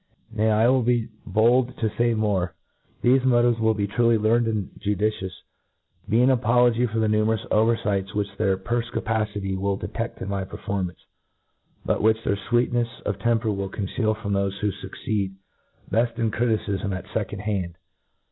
Nay, I will be bold to fay more ; thefe motives will, to the truly learned and judicious, be an apolo gy for the numerous overfights which their per fpicacity will deteft in my performance, but which their fweetnefs of temper will conceal from thofe who fucceed bed in criticifm at fe cond hand.